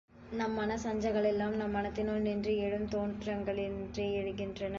நம் மனச் சஞ்சலங்களெல்லாம் நம் மனத்தினுள் நின்று எழும் தோற்றங்களினின்றே எழுகின்றன.